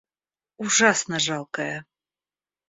Ужасно жалкое!